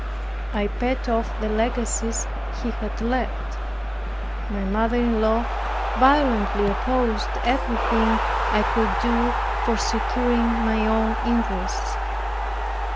I paid off the legacies he had left. My mother in law violently opposed everything I could do for securing my own interests.